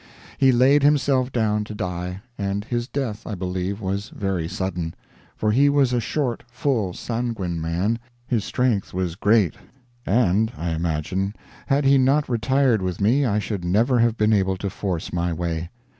He laid himself down to die; and his death, I believe, was very sudden; for he was a short, full, sanguine man. His strength was great; and, I imagine, had he not retired with me, I should never have been able to force my way.